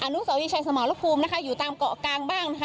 นุสาวิชัยสมรภูมินะคะอยู่ตามเกาะกลางบ้างนะคะ